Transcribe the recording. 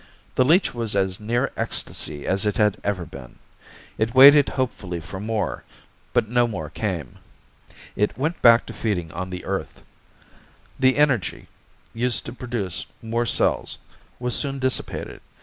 The leech was as near ecstasy as it had ever been. It waited hopefully for more, but no more came. It went back to feeding on the Earth. The energy, used to produce more cells, was soon dissipated.